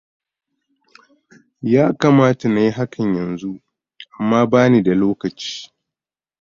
Ya kamata na yi hakan yanzu, amma ba ni da lokaci.